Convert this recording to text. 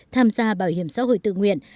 tham gia bảo hiểm xã hội tự nguyện